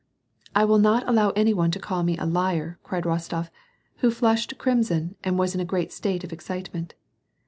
" I will not allow any one to call me a liar," cried Rostof, who flushed crimson and was in a great state of excitement.